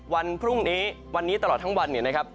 วันพรุ่งนี้วันนี้ตลอดทั้งวันเนี่ยนะครับ